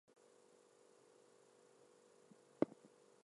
China is scheduled to compete in athletics.